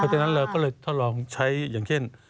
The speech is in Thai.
ฉะนั้นเราก็เลยทดลองใช้อย่างเช่น